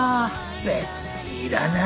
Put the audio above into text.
別にいらない。